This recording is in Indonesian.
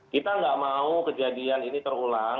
kita nggak mau kejadian ini terulang